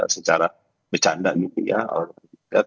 secara bercanda gitu ya